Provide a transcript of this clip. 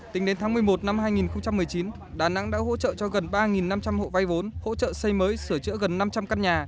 tính đến tháng một mươi một năm hai nghìn một mươi chín đà nẵng đã hỗ trợ cho gần ba năm trăm linh hộ vay vốn hỗ trợ xây mới sửa chữa gần năm trăm linh căn nhà